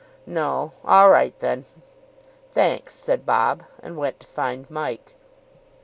"No. All right then." "Thanks," said Bob, and went to find Mike.